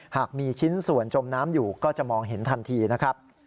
หากมีชิ้นส่วนจมน้ำอยู่ก็จะมองเห็นทันทีนะครับ